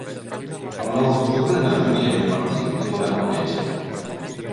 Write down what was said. El nou d'octubre na Dúnia i en Martí aniran al metge.